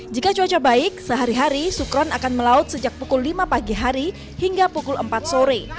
jika cuaca baik sehari hari sukron akan melaut sejak pukul lima pagi hari hingga pukul empat sore